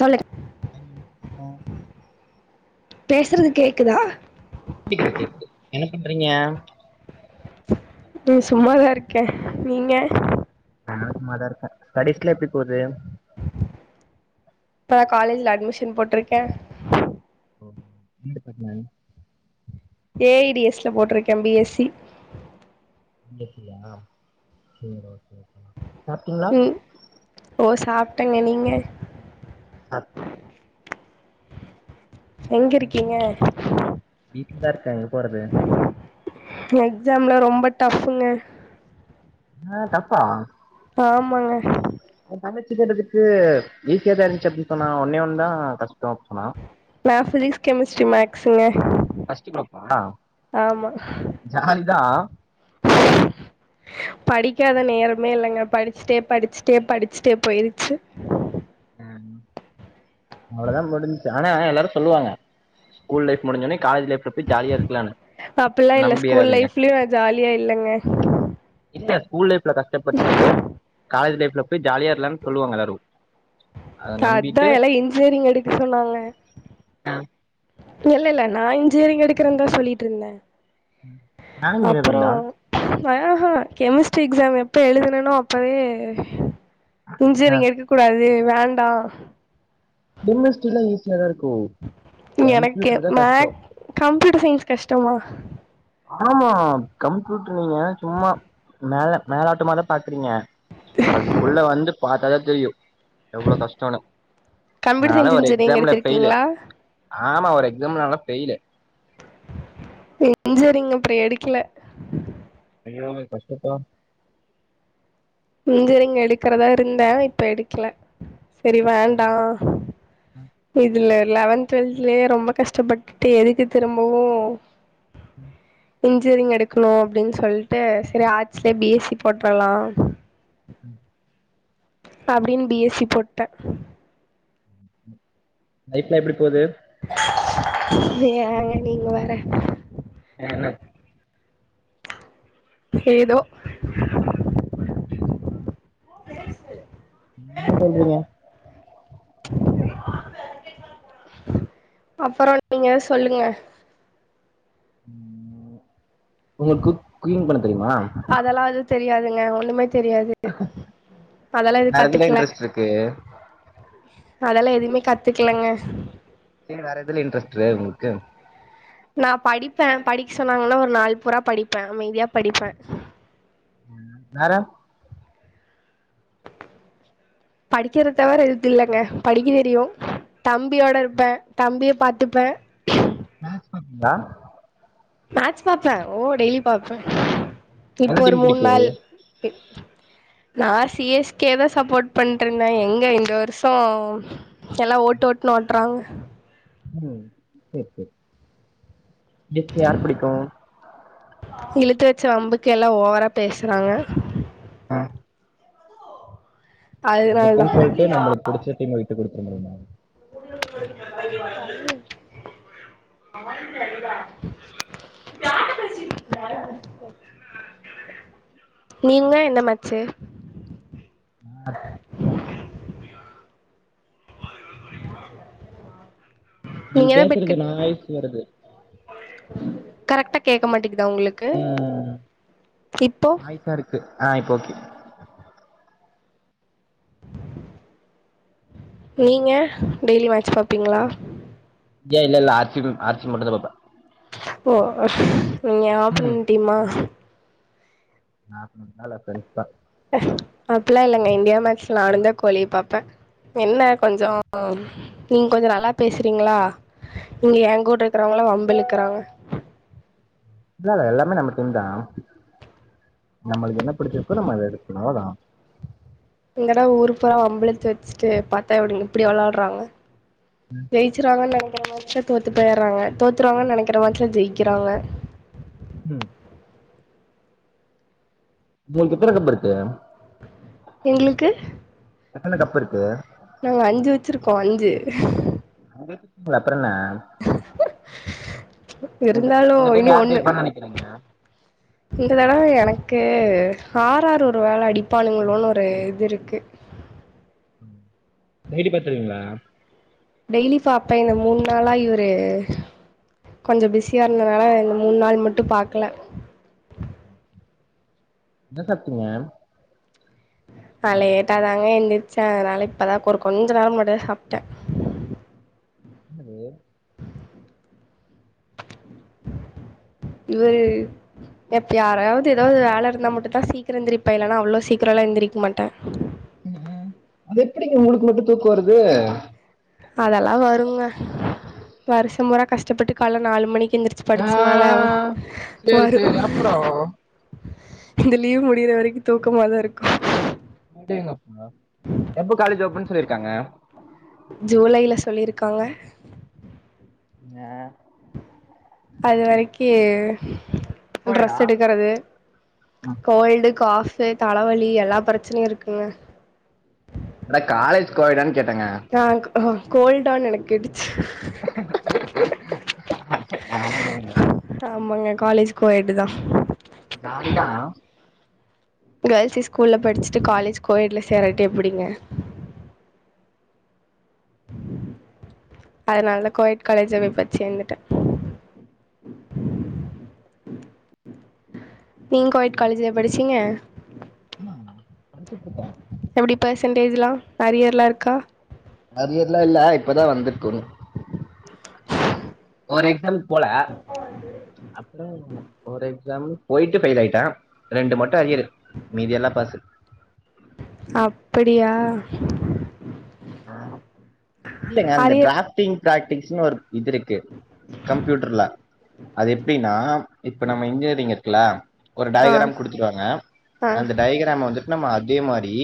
சொல்லுங்க [unintelligible] பேசறது கேக்குதா கேக்குது கேக்குது என்ன பண்றீங்க ம் சும்மாதா இருக்கே நீங்க நா சும்மாதா இருக்கே ஸ்டடீஸ்லா எப்டி போது இப்பதா காலேஜ்ல admission போட்ருக்கே [unintelligible] A I T S ல போட்டிருக்கே பி எஸ் சி [unintelligible] ம் ஓ சாப்டங்க நீங்க [unintelligible] எங்க இருக்கீங்க வீட்லதா இருக்கே எங்க போறது எக்ஸாம்ல ரொம்ப டஃபுங்க ஆ தப்பா ஆமாங்க எ தங்கச்சி கேட்டதுக்கு ஈஸியா தா இருந்துச்சு அப்டின் சொன்னா ஒன்னே ஒண்ணு தா கஷ்டோ சொன்னா நா ஃபிசிக்ஸ் கெமிஸ்ட்ரி மேக்ஸுங்க பஸ்ட்டு குரூப்பா ஆமா ஜாலிதா படிக்காத நேரமே இல்லங்க படிச்ட்டே படிச்ட்டே படிச்ட்டே போயிருச்சு ம் அவ்வளதா முடின்ச்சு ஆனா எல்லாரு சொல்லுவாங்க ஸ்கூல் லைஃப் முடிஞ்சோனே காலேஜ் லைஃப்ல போயி ஜாலியா இருக்கலானு அப்படிலாம் இல்லை ஸ்கூல் நம்பிராதீங்க லைஃப்லயும் நான் ஜாலியா இல்லங்க இல்ல ஸ்கூல் லைஃப்ல கஷ்டப்பட்டு காலேஜ் லைஃப்ல போய் ஜாலியா இருக்லான்னு சொல்லுவாங்க எல்லாரு அதா எல்லா இன்ஜினியரிங் எடுக்க சொன்னாங்க இல்ல இல்ல நா இன்ஜினியரிங் எடுக்கறேன்னு தா சொல்லிட்டு இருந்தே நானும் இன்ஜினியரிங் அப்பறோ தான் ஹே ஹ கெமிஸ்ட்ரி எக்ஸாம் எப்ப எழுதுனனோ அப்பவே ஆ இன்ஜினரிங் எடுக்க கூடாது வேண்டா [unintelligible] எல்லா ஈஸியா தா இருக்கு எனக்கு மேக் கம்ப்யூட்டர் சயின்ஸ் கஷ்டமா ஆமா கம்ப்யூட்டரு நீங்க சும்மா மேல மேலாட்டமாதா பாக்குறீங்க அதுக்குள்ள வந்து பாத்தாதா தெரியு எவ்ளோ கஷ்டன்னு கம்ப்யூட்டர் நாலா சயின்ஸ் ஒரு இன்ஜினியரிங் எக்ஸாம்ல ஃபெயிலு எடுத்திருக்கீங்களா ஆமா ஒரு எக்ஸாம்ல நாலா ஃபெயிலு இன்சூரிங் அப்புறொ எடுக்கல ஐயோ அது கஷ்டம்பா இந்த ரிங்க் எடுக்குறதா இருந்தே இப்ப எடுக்கல சரி வேண்டா இதுல லெவன்த் டுவெல்தலயே ரொம்ப கஷ்டப்பட்டுட்டு எதுக்கு திரும்பவு ம் இன்ஜினியரிங் எடுக்கணு அப்பிடின்னு சொல்லிட்டு செரி ஆர்ட்ஸ்லே பி எஸ்சி போட்றலா ம் அப்பிடின் பி எஸ்சி போட்டே லைஃப்லா எப்பிடி போது ஏங்க நீங்க வேற ஏ என்ன ஏதோ ஏதோவா பேலஸ்சு என்னமோ சொல்றீங்க அப்பறொ நீங்க சொல்லுங்க உங்களுக்கு குக் குகிங் பண்ண தெரியுமா அதெல்லா எது தெரியாதுங்க ஒன்னுமே தெரியாது த அதெல்லா எது வேற எதுல கத்துக்கல இன்ட்ரெஸ்ட் இருக்கு அதெல்லா எதுமே கத்துக்லங்க சரி வேற எதுல இன்ட்ரெஸ்ட் உங்களுக்கு நா படிப்பே படிக்க சொன்னாங்கன்னா ஒரு நாள் பூரா படிப்பே. அமைதியா படிப்பே. வேற படிக்கெறது தவர எது இல்லங்க. படிக்க தெரியு. தம்பியோட இருப்பே தம்பிய பாத்துப்பே மேட்ச் பாப்பீங்களா மேட்ச் பாப்பே ஓ டெய்லி பாப்பே நல்ல இப்ப ஒரு டீம் மூன் பிடிக்கும் நாள் நா சி எஸ் கே தா சப்போர்ட் பண்ட்ருந்தே. எங்க இந்த வருஷோ எல்லா ஓட்டு ஓட்டுன்னு ஓட்டுறாங்க ம் சேரி சேரி சி எஸ் கே யார் புடிக்கு இழுத்து வெச்சு வம்புக்கு எல்லா ஓவரா பேசுறாங்க‌ ஆ அதனால தா அதுக்குன் சொல்ட்டு நம்மளுக்கு புடிச்ச டீம்ம விட்டு குடுத்தற முடியுமா ஜாட பேசிட்டு நீங்க என்ன மாச்சு அ நீங்க எதா பெட் பேசுறது கட் நாய்ஸ் வருது கரெக்ட்டா கேக்க மாட்டிங்குதா உங்ளுக் ம் நாய்ஸாருக்கு‌. ஆ இப்ப ஓகே. நீங்க டெய்லி மேட்ச் பாபீங்களா ஏ இல்லல்ல ஆர் சி புப் ஆர் சி மட்டுந்தா பாப்பே ஓ நீ ஏ ம் ஆப்புனென்ட் டீமா [unintelligible] அப்பில்லா இல்லங்க இந்தியா மேக்ஸ்னாலந்தே கோலி பாப்பே என்ன கொஞ்சோ நீங்க கொஞ்சோ நல்லா பேசுறீங்களா இங்க ஏ கூட இருக்கறவங்கள்லா வம்புழுக்குறாங்க. இல்ல அது எல்லாருமே நம்ம டீம் தா நம்மளுக்கு என்ன புடிச்சிருக்கோ நம்ம இது இது பண்ணோதா இந்தடவ ஊர்க் போலா வம்பிழுத்து வெச்சுட்டு பாத்தா எப்பிடி இப்பிடி வெள்ளாட்றாங்க. ம் ஜெயிச்சுருவாங்க நெனைக்கிற மேட்ச்ல தோத்து போயிர்றாங்க தோத்துருவாங்க நெனைக்கிற மேட்ச்சில ஜெயிக்கிறாங்க ம் உங்களுக்கு எத்தன கப்புருக்கு எங்ளுக்கு எத்தன கப்புருக்கு நாங்க அஞ்சு வெச்சுருக்கோ அஞ்சு அஞ்ச் [inaudible] அப்றோன்ன இந்த இருந்தாலு இந்த டைம் இனி யார் ஒண்ணு ஜெயிப்பான்னு நினைக்கிறீங்க இந்த தடவ எனக்குஆர் ஆர் ஒரு வேல அடிப்பானுங்களோன்னு ஒரு இதுருக்கு டெய்லி பாத்துருவீங்களா டெய்லி பாப்பே இந்த மூணு நாளா இவரு கொஞ்சோ பிஸியா இருந்தனால இந்த மூணு நாள் மட்டு பாக்கல. ம் என்ன சாப்டீங்க கால்ல லேட்டா தாங்க எந்திருச்ச. அதுனால இப்பதா கொரு கொஞ்ச நேரோ முன்னாடிதா சாப்ட்டே. என்னது ஏய் எப்ப யாராவது ஏதாவது வேல இருந்தா மட்டு தா சீக்கிரோ எந்திரப்பே இல்லன்னா அவ்ளோ சீக்கிரல்லா எந்திரிக்க மாட்ட ம்ஹும் அது எப்பிடிங்க உங்களுக்கு மட்டு தூக்கோ வருது. அதெல்லா வருங்க வருஷம்புரா கஷ்டப்பட்டு கால்ல நாலு மணிக்கி எந்திரி ச்சு படிச்சனால வரு இந்த லீவ் முடியிற வரைக்கு தூக்கமாதாருக்கு. அடேங்கப்பா எப்ப காலேஜ் ஓப்பன்னு சொல்லிருக்காங்க ஜூலையில சொல்லிருக்காங்க. ன அது வரைக்கி ட்ரெஸ் எடுக்குறது. கோல்டு காஃப் து தலவலி எல்லா பிரச்சனையு இருக்குங்க அட காலேஜ் கோயடான்னு கேட்டங்க நா க அஹா கோல்டா எனக் கேட்டுச்சி ஆமாங்க காலேஜ் கோ எட் தா ஜாலி தா கேர்ள்ஸ் ஸ்கூல்ல படிச்சிட்டு காலேஜ் கோஎட்ல சேராட்டி எப்டிங்க ம் அதனாலதா கோயட் காலேஜ்ஜாவே பாத்து சேந்துட்டே நீங்க கோயட் காலேஜ்லயா படிச்சீங்க ஆ படுத்துட்ருக்கே எப்டி பர்சன்டேஜ்லா அரியர்லா இருக்கா அரியர்லா இல்ல இப்பதா வந்துருக்கனு ஒரு எக்ஸாம்க்கு போல அப்பறோ ஒரு எக்ஸாம் போயிட்டு ஃபெயில் ஆயிட்டே ரெண்டு மட்டு அரியரு மீதி எல்லா பாசு அப்டியா இல்லங்க அந்த அரியர் டிராப்டிங் ஃபிராக்டிக்ஸ்ன்னு ஒரு இது இருக்கு கம்ப்யூட்ர்ல அது எப்டின்னா இப்ப நம்ம இன்ஜினிரிங் இருக் குல ஒரு ஆ டயகிராம் குடுத்துருவாங்க ஆ அந்த டயகிராம வந்து நம்ம அதே மாரி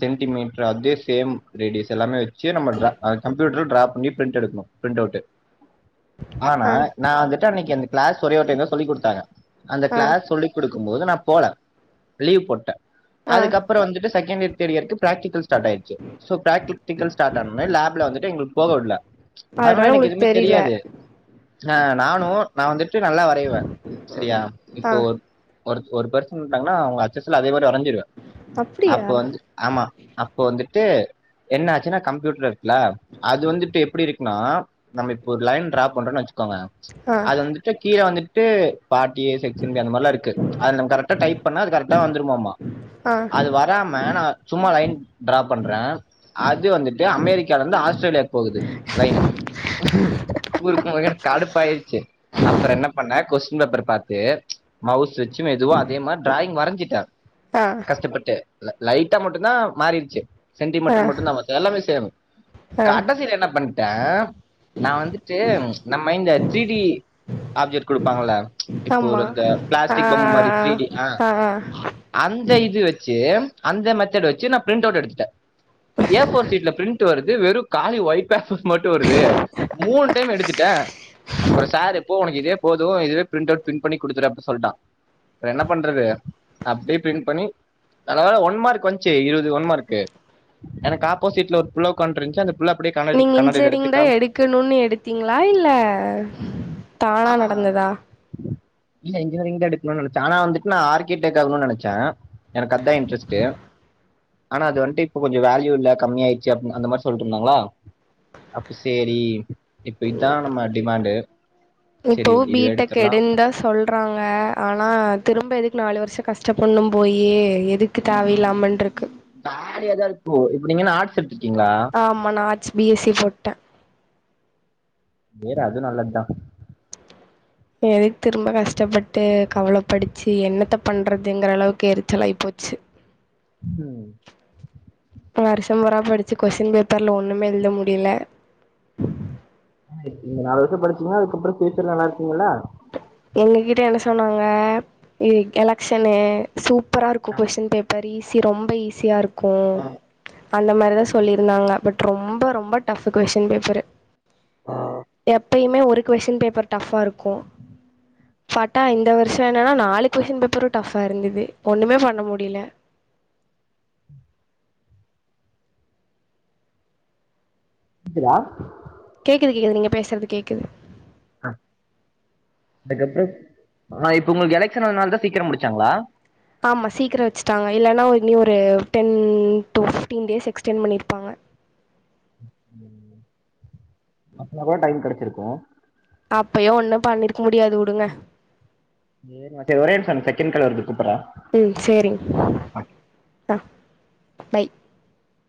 சென்டிமீட்ரு அதே சேம் ரேடியஸ் எல்லாமே வச் சி நம்ம டிரா அத கம்ப்யூட்ர்ல ட்ராப் பண்ணி ப்ரிண்ட் எடுக்கணு பிரிண்ட் அவுட்டு ஆனா ஆ நா வந்துட்டு அன்னக்கி அந்த கிளாஸ் ஒரே ஒரு டைம் தா சொல்லி குடுத்தாங்க அந்த ஆ கிளாஸ் சொல்லி குடுக்கும் போது நா போல லீவ் போட்டே ஆ அதுக்கப்பறோ வந்துட்டு செகண்ட் இயர் தேர்ட் இயர்க்கு ப்ராக்டிகல் ஸ்டார்ட் ஆயிர்ச்சி சோ ப்ராக்டிக்டிகல் ஸ்டார்ட் ஆனா ஒன்னே லேப்ல வந்துட்டு எங்கள போக விடல அதனால எனக்கு உங்களுக்கு எதுமே தெரில தெரியாது ஆ நானு நா வந்துட்டு நல்லா வரைவே சரியா இப்போ ஆ ஒரு ஒரு பெர்சன் நின்னுடாங்கன்னா அவங்கள அச்அசல் அதே மாரி வரஞ்சிருவே அப்டியா அப்ப வந்து ஆமா அப்ப வந்துட்டு என்ன ஆச்சினா கம்ப்யூட்டர்ல இருக்குல அது வந்துட்டு எப்டி இருக்குனா நம்ம இப்ப ஒரு லைன் ட்ரா பண்றோன்னு வச்சுக்கோங்க ஆ அது வந்துட்டு கீழ வந்துட்டு பார்ட் ஏ செக்ஷன் பி அந்த மாரிலா இருக்கு அதுல நம்ம கரெக்டா டைப் பண்ணா அது கரெக்டா வந்துருமாமா ஆ அது வராம நா சும்மா லைன் டிராப் பண்றே அது வந்துட்டு அமெரிக்காலந்து ஆஸ்திரேலியாக்கு போகுது லைனு குறுக்கு ஒழுங்கா எனக்கு கடுப்பாயிருச்சி அப்பறோ என்ன பண்ணே கொஸ்டின் பேப்பர பாத்து மவுஸ் வச்சி மெதுவா அதே மாரி டிராயிங் வரஞ்சிட்டே தா கஷ்டப்பட்டு லை லைட்டா மட்டுந்தா மாறிருச்சி சென்டி மீ ஆ ட்டர் மட்டுந்தா மத்த எல்லாமே சேமு ஆ கடசியில என்ன பண் டே நா வந்துட்டு நம்ம இந்த த்ரீ டி ஆப்ஜெக்ட் குடுப்பாங்கல்ல இப்ப ஒரு ஆமா இந்த ஆ பிளாஸ்டிக் பொம்ம மாரி த்ரீடி ஆ அந்த இது வச்சி அந்த மெத்தேடு வச்சி நா பிரிண்ட் அவுட் எடுத்துட்டே ஏஃபோர் சீட்ல பிரிண்ட் வருது வெறு காலி ஒய்ட் பேப்பர் மட்டு வருது மூண் டைம் எடுத்துட்டே அப்பறோ சார் போ ஒனக்கு இதே போது இதவே பிரிண்ட் அவுட் பின் பண்ணி குடுத்துரு அப்டின் சொல்ட்டா வேற என்ன பண்றது அப்டியே பிரிண்ட் பண்ணி நல்ல வேள ஒன் மார்க் வந்ச்சி இருவது ஒன் மார்க் எனக்கு ஆப்போசிட்ல ஒரு புள்ள உக்கான்ட்டு இருந்துச்சி அந்த புள்ள அப்டியே கண்ணாடி நீங்க கண்ணாடில எடுத்து இன்ஜிரிங்தா காமிச்சுச்சு எடுக்கணுன்னு எடுத்தீங்களா இல்ல தானா ஆமா நடந்ததா இல்ல இன்ஜினியரிங்தா எடுக்கணுன்னு நெனச்சே ஆனா வந்துட்டு நா ஆர்க்கிடெக் ஆகனுன் நெனச்சே எனக்கு அதா இன்ட்ரெஸ்டு ஆனா அது வந்துட்டு இப்ப கொஞ்ச வேல்யூ எல்லா கம்மி ஆயிச்சு அப் அந்த மாரி சொல்ட்டுருந்தாங்களா அப்ப சேரி இப்ப இதா நம்ம டிமாண்டு செரி இதுவே எடுத்துரலா ஒட்றாங்க ஆனா திரும்ப எதுக்கு நாலு வருஷ கஷ்ட பட்ணு போயி எதுக்கு தேவயில்லாமன்ருக்கு ஜாலியதா இருக்கு இப்ப நீங்க என்ன ஆட்ஸ் எடுத்து இருக்கீங்களா ஆமா நா ஆர்ட்ஸ் பி எஸ் சி போட்டே சேரி அது நல்லது தா எதுக்கு திரும்ப கஷ்டப்பட்டு கவள படிச்சு என்னத்த பண்றதுங்கிற அளவுக்கு எரிச்சல் ஆயி போச்சு ம் ம் வருஷ பூரா படிச்சு கொஸ்டின் பேப்பர்ல ஒன்னுமே எழுத முடில இந்த நாலு வருஷ படிச்சிங்கன அதுக்கப்றோ பியூச்சர் நல்லா இருக்குமல்ல எங்ககிட்ட என்ன சொன்னாங்க எலக்சனு சூப்பரா இருக்கு கொஸ்டின் பேப்பர் [unintelligible] ஈஸி ரொம்ப ஈஸியா இருக்கு அந்த மாரி தா சொல்லி இருந்தாங்க பட் ரொம்ப ரொம்ப டஃப்பு கொஸ்டின் பேப்பரு எப் ப்பயுமே ஒரு கொஸ்டின் பேப்பர் டஃப்பா இருக்கு பாத்தா இந்த வருஷ என்னனா நாலு கொஸ்டின் பேப்ரு டஃப்பா இருந்தது ஒன்னுமே பண்ண முடில கேக்குதா கேக்குது கேக்குது நீங்க பேசறது கேக்குது ஆ அதுக்கப்றோ இப்ப உங்களுக்கு எலக்ஷன் வரனால தா சீக்கிர முடிச்சாங்களா ஆமா சீக்கிர வெச்சுட்டாங்க இல்லன்னா இனி ஒரு ten to fifteen days extend பண்ணியிருப்பாங்க அப்ப நல்லா டைம் கெடச்சிருக்கு அப்பயு ஒன்னு பண்ணியிருக்க முடியாது வுடுங்க [unintelligible] ஒரே நிமிஷோ இரு செகண்ட் கால் வருது கூப்பட்ற ம் சேரிங்க த பாய்